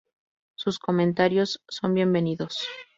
Sus comentarios son bienvenidos.